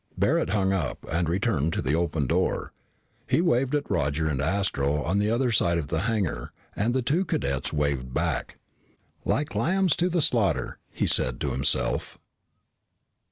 Barret hung up and returned to the open door. He waved at Roger and Astro on the other side of the hangar and the two cadets waved back. "Like lambs to the slaughter," he said to himself.